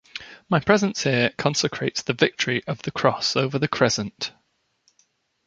My presence here consecrates the victory of the Cross over the Crescent.